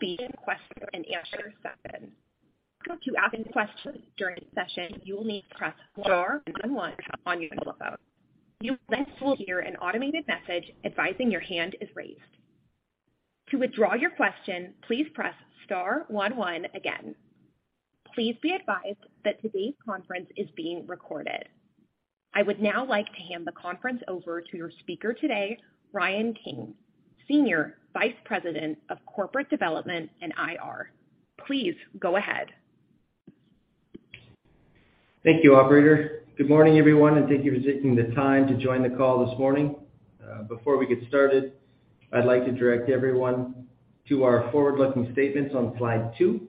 There will be a question and answer session. To ask a question during the session, you will need to press star one one on your telephone. You will then hear an automated message advising your hand is raised. To withdraw your question, please press star one one again. Please be advised that today's conference is being recorded. I would now like to hand the conference over to your speaker today, Ryan King, Senior Vice President of Corporate Development and IR. Please go ahead. Thank you, operator. Good morning, everyone, and thank you for taking the time to join the call this morning. Before we get started, I'd like to direct everyone to our forward-looking statements on slide two.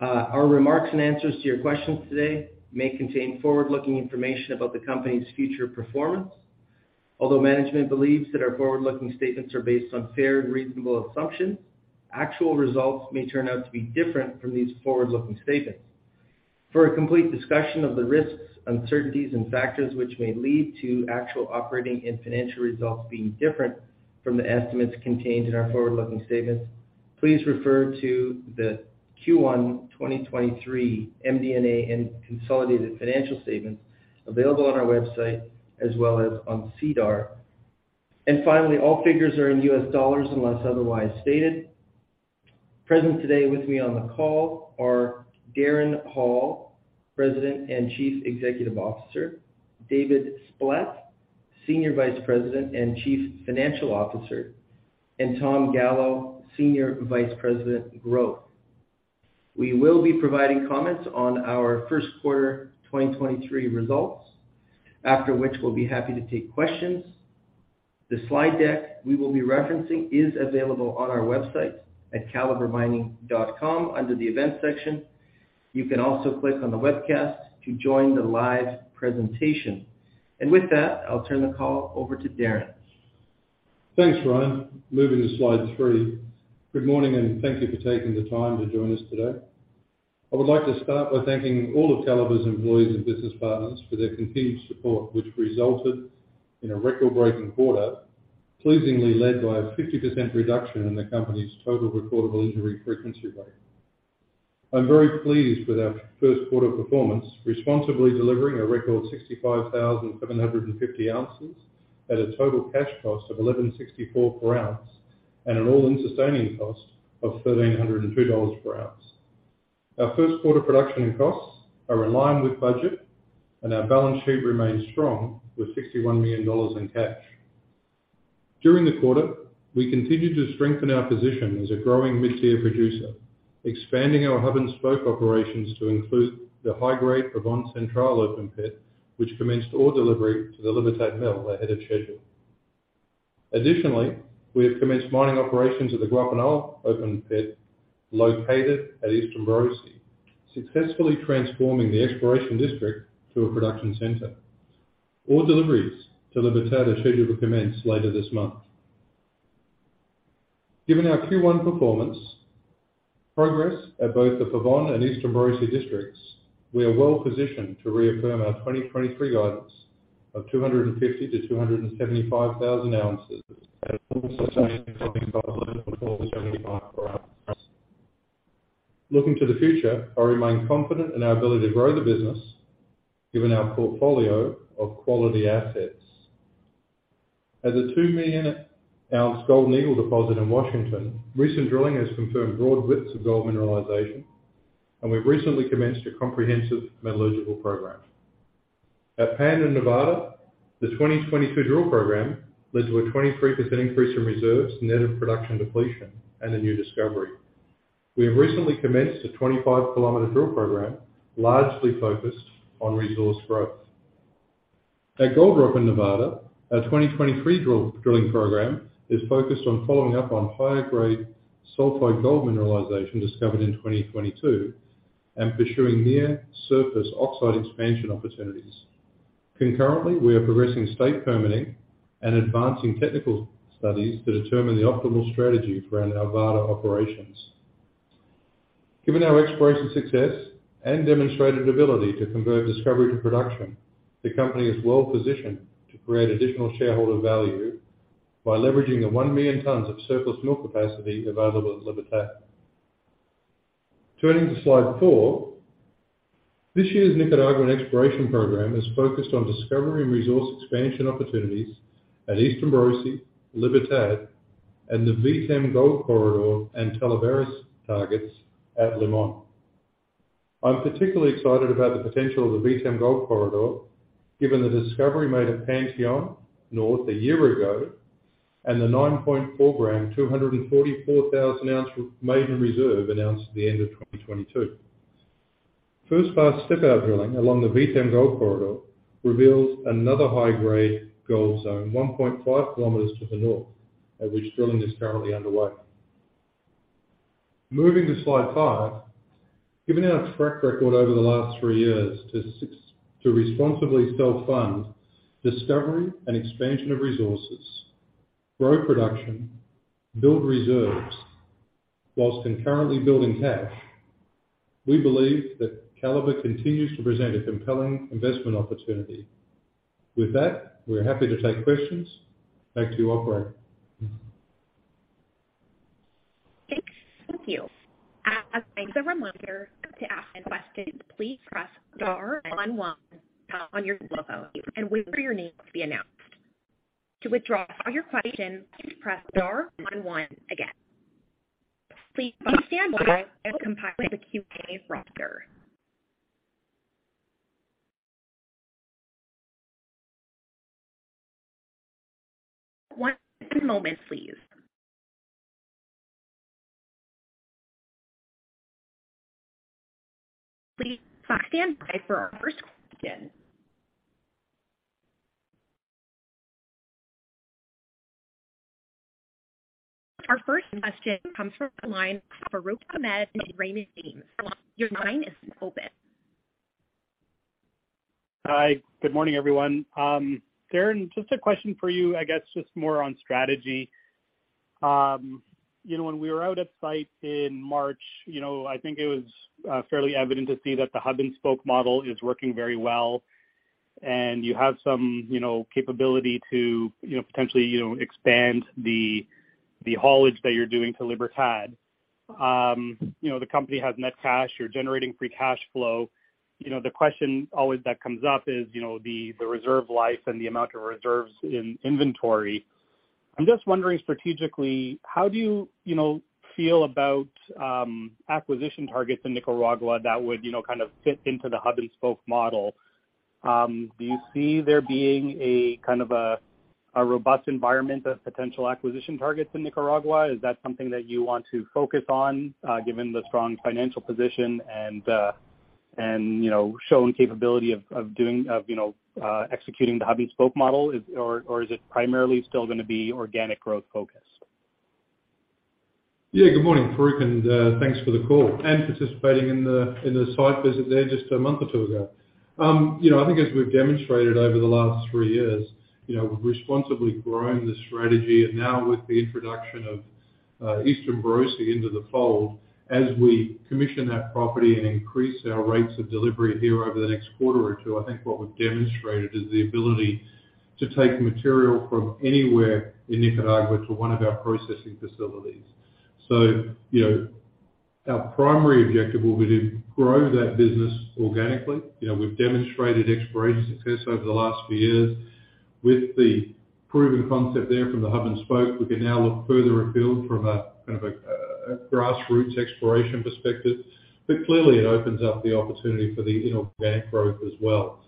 Our remarks and answers to your questions today may contain forward-looking information about the company's future performance. Although management believes that our forward-looking statements are based on fair and reasonable assumptions, actual results may turn out to be different from these forward-looking statements. For a complete discussion of the risks, uncertainties, and factors which may lead to actual operating and financial results being different from the estimates contained in our forward-looking statements, please refer to the Q1 2023 MD&A and consolidated financial statements available on our website, as well as on SEDAR+. All figures are in US dollars unless otherwise stated. Present today with me on the call are Darren Hall, President and Chief Executive Officer, David Splett, Senior Vice President and Chief Financial Officer, and Tom Gallo, Senior Vice President, Growth. We will be providing comments on our first quarter 2023 results, after which we'll be happy to take questions. The slide deck we will be referencing is available on our website at calibremining.com under the Events section. You can also click on the webcast to join the live presentation. With that, I'll turn the call over to Darren. Thanks, Ryan. Moving to slide three. Good morning, and thank you for taking the time to join us today. I would like to start by thanking all of Calibre's employees and business partners for their continued support, which resulted in a record-breaking quarter, pleasingly led by a 50% reduction in the company's Total Recordable Injury Frequency Rate. I'm very pleased with our first quarter performance, responsibly delivering a record 65,750 ounces at a Total Cash Cost of $1,164 per ounce and an All-In Sustaining Cost of $1,302 per ounce. Our first quarter production and costs are in line with budget, and our balance sheet remains strong with $61 million in cash. During the quarter, we continued to strengthen our position as a growing mid-tier producer, expanding our hub-and-spoke operations to include the high-grade Pavón Central open pit, which commenced ore delivery to the Libertad mill ahead of schedule. Additionally, we have commenced mining operations at the Guapinol open pit located at Eastern Borosi, successfully transforming the exploration district to a production center. Ore deliveries to Libertad are scheduled to commence later this month. Given our Q1 performance, progress at both the Pavón and Eastern Borosi districts, we are well positioned to reaffirm our 2023 guidance of 250,000-275,000 ounces at an All-In Sustaining Cost of $12.75 per ounce. Looking to the future, I remain confident in our ability to grow the business given our portfolio of quality assets. At the 2 million ounce Golden Eagle deposit in Washington, recent drilling has confirmed broad widths of gold mineralization. We've recently commenced a comprehensive metallurgical program. At Pan in Nevada, the 2022 drill program led to a 23% increase in reserves net of production depletion and a new discovery. We have recently commenced a 25-km drill program, largely focused on resource growth. At Gold Rock in Nevada, our 2023 drilling program is focused on following up on higher-grade sulfide gold mineralization discovered in 2022 and pursuing near-surface oxide expansion opportunities. Concurrently, we are progressing state permitting and advancing technical studies to determine the optimal strategy for our Nevada operations. Given our exploration success and demonstrated ability to convert discovery to production, the company is well positioned to create additional shareholder value by leveraging the 1 million tons of surplus mill capacity available at Libertad. Turning to slide four. This year's Nicaraguan exploration program is focused on discovery and resource expansion opportunities at Eastern Borosi, Libertad, and the VTEM Gold Corridor and Talaveras targets at Limón. I'm particularly excited about the potential of the VTEM Gold Corridor, given the discovery made at Panteón North a year ago and the 9.4 gram, 244,000-ounce maiden reserve announced at the end of 2022. First pass step-out drilling along the VTEM Gold Corridor reveals another high-grade gold zone 1.5 km to the north, at which drilling is currently underway. Moving to slide five. Given our track record over the last three years to responsibly self-fund discovery and expansion of resources, grow production, build reserves whilst concurrently building cash. We believe that Calibre continues to present a compelling investment opportunity. With that, we're happy to take questions. Back to you, operator. Thank you. As a reminder, to ask a question, please press star one one on your telephone and wait for your name to be announced. To withdraw your question, please press star one one again. Please stand by as I compile the Q&A roster. One moment, please. Please stand by for our first question. Our first question comes from the line of Farooq Hamed at Raymond James. Your line is open. Hi, good morning, everyone. Darren, just a question for you, I guess just more on strategy. You know, when we were out at site in March, you know, I think it was fairly evident to see hub-and-spoke model is working very well, and you have some, you know, capability to, you know, potentially, you know, expand the haulage that you're doing to Libertad. You know, the company has net cash. You're generating free cash flow. You know, the question always that comes up is, you know, the reserve life and the amount of reserves in inventory. I'm just wondering strategically, how do you know, feel about acquisition targets in Nicaragua that would, you know, kind of fit hub-and-spoke model? Do you see there being a kind of a robust environment of potential acquisition targets in Nicaragua? Is that something that you want to focus on, given the strong financial position and, you know, shown capability of doing, of, you know, hub-and-spoke model, or is it primarily still gonna be organic growth focused? Yeah. Good morning, Farooq, and thanks for the call and participating in the, in the site visit there just a month or two ago. You know, I think as we've demonstrated over the last three years, you know, we've responsibly grown the strategy. Now with the introduction of Eastern Borosi into the fold, as we commission that property and increase our rates of delivery here over the next quarter or two, I think what we've demonstrated is the ability to take material from anywhere in Nicaragua to one of our processing facilities. Our primary objective will be to grow that business organically. You know, we've demonstrated exploration success over the last few years. With the proven concept there hub-and-spoke, we can now look further afield from a, kind of a grassroots exploration perspective. Clearly it opens up the opportunity for the inorganic growth as well.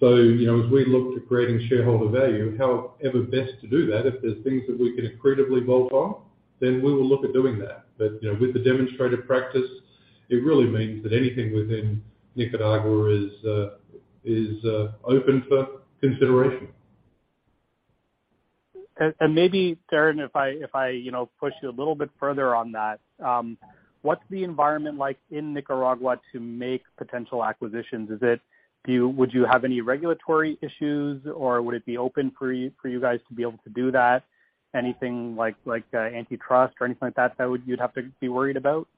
You know, as we look to creating shareholder value, however best to do that, if there's things that we can accretively bolt on, then we will look at doing that. You know, with the demonstrated practice, it really means that anything within Nicaragua is open for consideration. Maybe, Darren, if I, you know, push you a little bit further on that, what's the environment like in Nicaragua to make potential acquisitions? Would you have any regulatory issues, or would it be open for you guys to be able to do that? Anything like antitrust or anything like that would, you'd have to be worried about?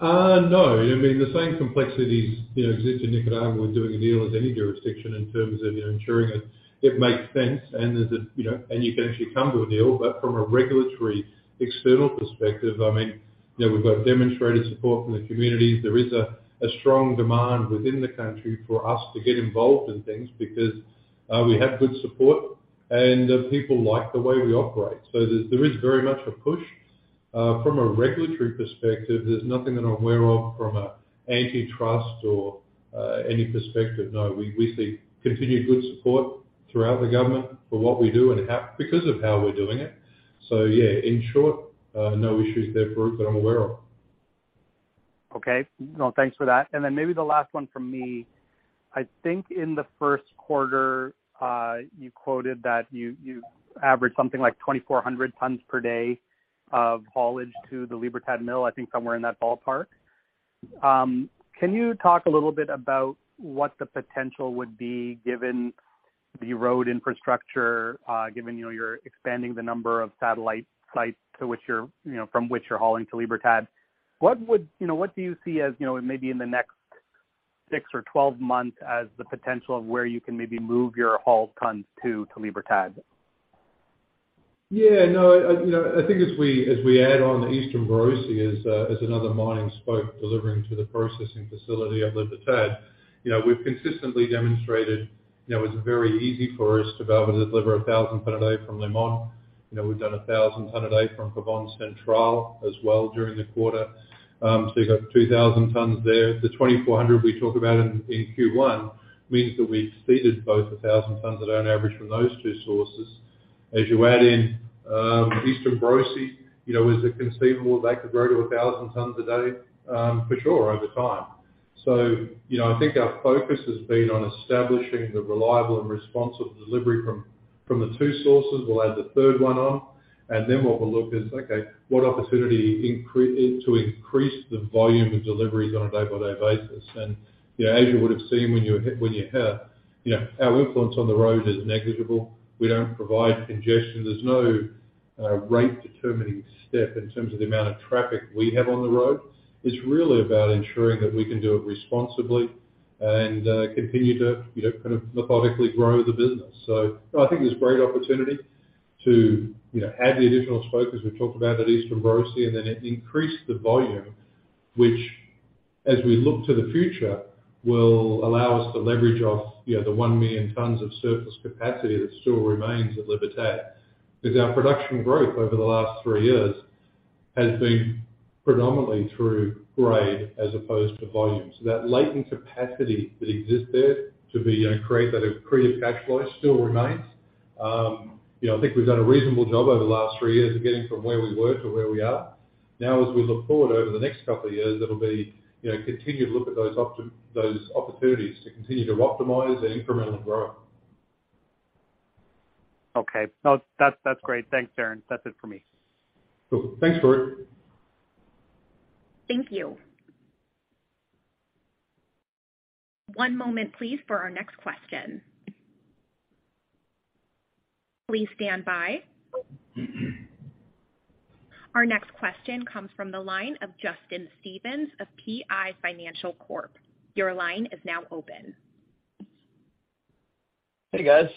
No. I mean, the same complexities, you know, exist in Nicaragua with doing a deal as any jurisdiction in terms of, you know, ensuring that it makes sense and that the, you know, and you can actually come to a deal. From a regulatory external perspective, I mean, you know, we've got demonstrated support from the communities. There is a strong demand within the country for us to get involved in things because we have good support and people like the way we operate. There is very much a push. From a regulatory perspective, there's nothing that I'm aware of from a antitrust or any perspective. No. We see continued good support throughout the government for what we do and how, because of how we're doing it. Yeah, in short, no issues there, Farooq, that I'm aware of. Okay. No, thanks for that. Maybe the last one from me. I think in Q1 2023, you quoted that you averaged something like 2,400 tons per day of haulage to the Libertad mill. I think somewhere in that ballpark. Can you talk a little bit about what the potential would be given the road infrastructure, given, you know, you're expanding the number of satellite sites to which you're, you know, from which you're hauling to Libertad. What would, you know, what do you see as, you know, maybe in the next six or 12 months as the potential of where you can maybe move your hauled tons to Libertad? Yeah. No, you know, I think as we, as we add on Eastern Borosi as another mining spoke delivering to the processing facility of Libertad, you know, we've consistently demonstrated, you know, it's very easy for us to be able to deliver 1,000 ton a day from Limón. You know, we've done 1,000 ton a day from Pavón Central as well during the quarter. You've got 2,000 tons there. The 2,400 we talk about in Q1 means that we've exceeded both 1,000 tons a day on average from those two sources. As you add in, Eastern Borosi, you know, is it conceivable that could grow to 1,000 tons a day? For sure, over time. You know, I think our focus has been on establishing the reliable and responsive delivery from the two sources. Limón Our production growth over the last three years has been predominantly through grade as opposed to volume. That latent capacity that exists there to be, you know, create that accretive cash flow still remains. You know, I think we've done a reasonable job over the last three years of getting from where we were to where we are. As we look forward over the next couple of years, it'll be, you know, continue to look at those opportunities to continue to optimize and incrementally grow. Okay. No, that's great. Thanks, Darren. That's it for me. Cool. Thanks, Farooq. Thank you. One moment please for our next question. Please stand by. Our next question comes from the line of Justin Stevens of PI Financial Corp. Your line is now open. Hey, guys.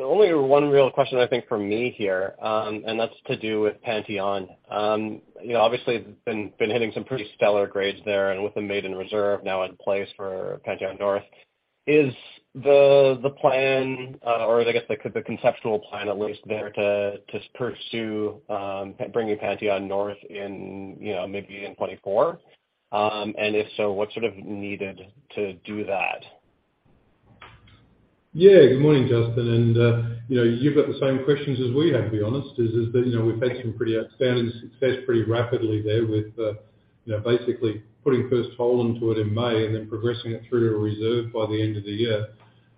Only one real question I think from me here, that's to do with Panteón. You know, obviously you've been hitting some pretty stellar grades there and with the maiden reserve now in place for Panteón North. Is the plan, or I guess, like, the conceptual plan at least there to pursue, bringing Panteón North in, you know, maybe in 2024? If so, what's sort of needed to do that? Yeah. Good morning, Justin. You know, you've got the same questions as we have, to be honest. Is that, you know, we've had some pretty outstanding success pretty rapidly there with, you know, basically putting first hole into it in May and then progressing it through a reserve by the end of the year.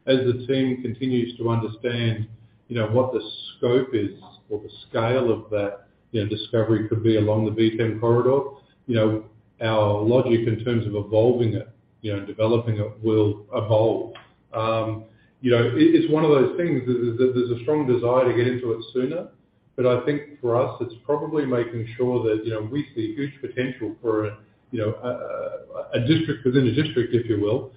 As the team continues to understand, you know, what the scope is or the scale of that, you know, discovery could be along the VTEM Gold Corridor. You know, our logic in terms of evolving it, you know, and developing it will evolve. You know, it's one of those things that there's a strong desire to get into it sooner. I think for us, it's probably making sure that, you know, we see huge potential for, you know, a district within a district, if you will,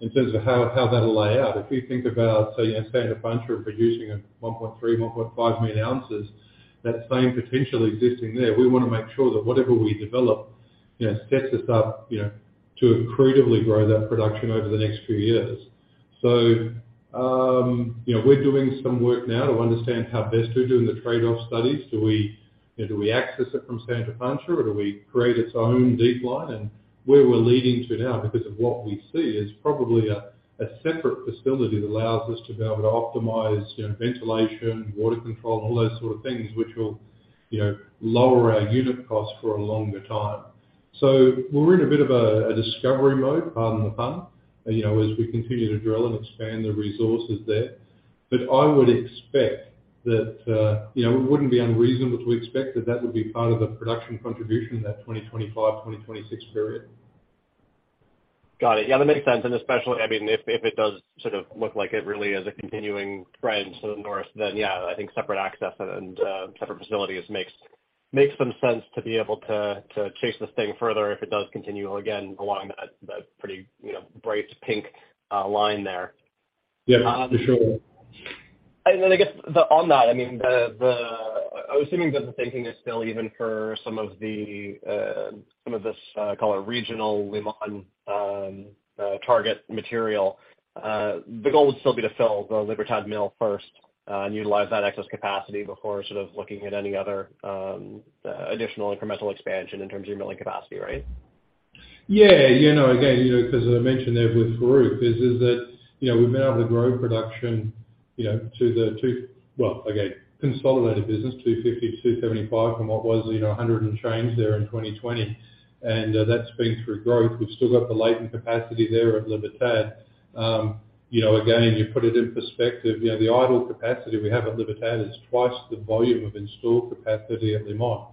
in terms of how that'll lay out. If you think about, say, Santa Pancha producing 1.3-1.5 million ounces, that same potential existing there. We wanna make sure that whatever we develop, you know, sets us up, you know, to accretively grow that production over the next few years. We're doing some work now to understand how best to do the trade-off studies. Do we, you know, do we access it from Santa Pancha or do we create its own decline? Where we're leading to now because of what we see is probably a separate facility that allows us to be able to optimize, you know, ventilation, water control, and all those sort of things, which will, you know, lower our unit cost for a longer time. We're in a bit of a discovery mode, pardon the pun, you know, as we continue to drill and expand the resources there. I would expect that, you know, it wouldn't be unreasonable to expect that that would be part of the production contribution in that 2025, 2026 period. Got it. Yeah, that makes sense. Especially, I mean, if it does sort of look like it really is a continuing trend to the north, then yeah, I think separate access and separate facilities makes some sense to be able to chase this thing further if it does continue, again, along that pretty, you know, bright pink line there. Yeah. For sure. I guess on that, I mean, I was assuming that the thinking is still even for some of the, some of this, call it regional Limón, target material. The goal would still be to fill the Libertad mill first, and utilize that excess capacity before sort of looking at any other, additional incremental expansion in terms of your milling capacity, right? Yeah. You know, again, you know, 'cause as I mentioned there with Farooq is that, you know, we've been able to grow production, you know, well, again, consolidated business, 250, 275 from what was, you know, 100 and change there in 2020. That's been through growth. We've still got the latent capacity there at Libertad. You know, again, you put it in perspective, you know, the idle capacity we have at Libertad is twice the volume of installed capacity at Limón.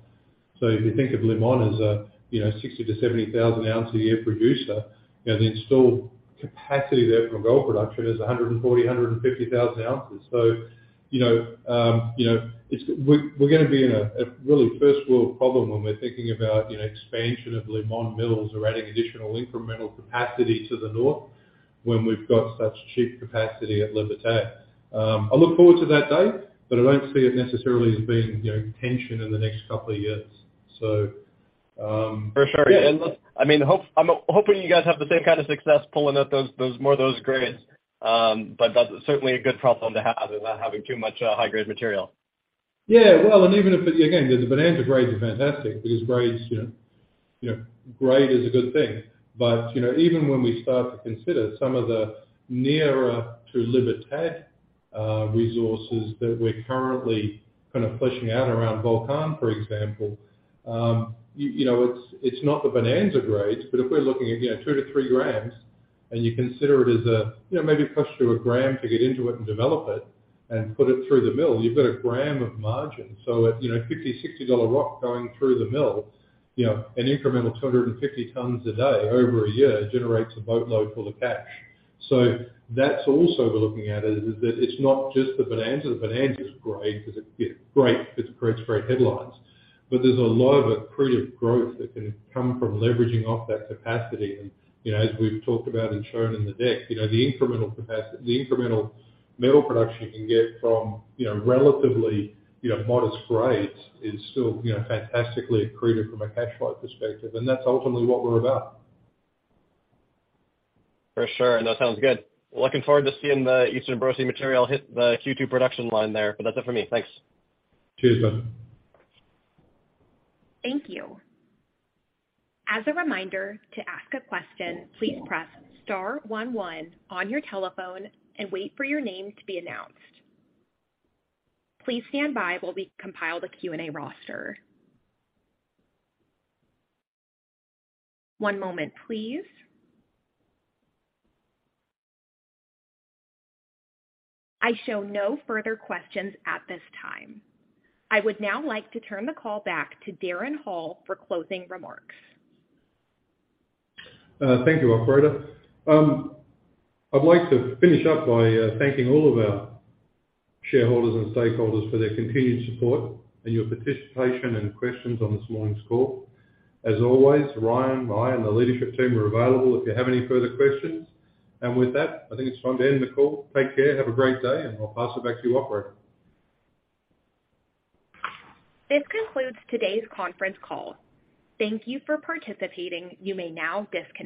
If you think of Limón as a, you know, 60,000 to 70,000 ounce a year producer, you know, the installed capacity there from gold production is 140,000, 150,000 ounces. You know, you know, we're gonna be in a really first world problem when we're thinking about, you know, expansion of Limón Mill or adding additional incremental capacity to the north when we've got such cheap capacity at Libertad. I look forward to that day, but I don't see it necessarily as being, you know, tension in the next couple of years. For sure. Look, I mean, I'm hoping you guys have the same kind of success pulling up those, more of those grades. That's certainly a good problem to have, is not having too much, high-grade material. Yeah. Well, again, the bonanza grade is fantastic because grades, you know, grade is a good thing. You know, even when we start to consider some of the nearer to Libertad resources that we're currently kind of fleshing out around Volcan, for example, you know, it's not the bonanza grades, if we're looking at, you know, two to three grams and you consider it as a, you know, maybe it costs you a gram to get into it and develop it and put it through the mill, you've got a gram of margin. At, you know, $50-$60 dollar rock going through the mill, you know, an incremental 250 tons a day over a year generates a boatload full of cash. That's also we're looking at, is that it's not just the bonanza. The bonanza is great 'cause it's great, it creates great headlines. There's a lot of accretive growth that can come from leveraging off that capacity. You know, as we've talked about and shown in the deck, you know, the incremental metal production you can get from, you know, relatively, you know, modest grades is still, you know, fantastically accretive from a cash flow perspective. That's ultimately what we're about. For sure. No, sounds good. Looking forward to seeing the Eastern Borosi material hit the Q2 production line there. That's it for me. Thanks. Cheers, man. Thank you. As a reminder, to ask a question, please press star one one on your telephone and wait for your name to be announced. Please stand by while we compile the Q&A roster. One moment, please. I show no further questions at this time. I would now like to turn the call back to Darren Hall for closing remarks. Thank you, operator. I'd like to finish up by thanking all of our shareholders and stakeholders for their continued support and your participation and questions on this morning's call. As always, Ryan, I, and the leadership team are available if you have any further questions. With that, I think it's time to end the call. Take care. Have a great day, and I'll pass it back to you, operator. This concludes today's conference call. Thank you for participating. You may now disconnect.